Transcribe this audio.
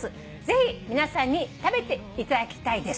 「ぜひ皆さんに食べていただきたいです」